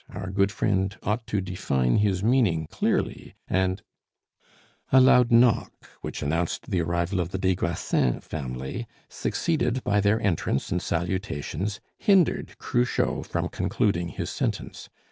Our good friend ought to define his meaning clearly, and " A loud knock, which announced the arrival of the des Grassins family, succeeded by their entrance and salutations, hindered Cruchot from concluding his sentence.